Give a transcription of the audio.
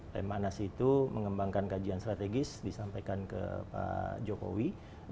lemhanas itu mengembangkan kajian strategis disampaikan ke pak jokowi